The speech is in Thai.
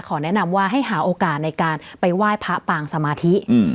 แนะนำว่าให้หาโอกาสในการไปไหว้พระปางสมาธิ